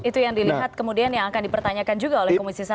itu yang dilihat kemudian yang akan dipertanyakan juga oleh komisi satu